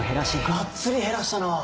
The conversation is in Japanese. がっつり減らしたなぁ。